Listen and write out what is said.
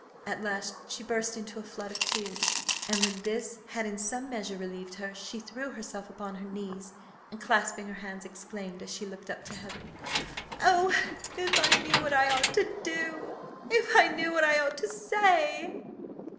At last she burst into a flood of tears; and when this had in some measure relieved her, she threw herself upon her knees, and clasping her hands, exclaimed, as she looked up to heaven "Oh, if I knew what I ought to do! if I knew what I ought to say!"